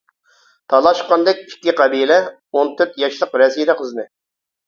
تالاشقاندەك ئىككى قەبىلە، ئون تۆت ياشلىق رەسىدە قىزنى.